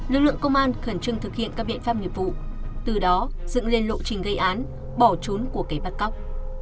lực lượng công an khẩn trương thực hiện các biện pháp nghiệp vụ từ đó dựng lên lộ trình gây án bỏ trốn của kẻ bắt cóc